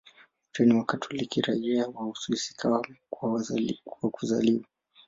Wote ni Wakatoliki raia wa Uswisi kwa kuzaliwa.